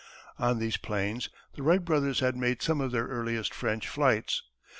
On these plains the Wright Brothers had made some of their earliest French flights.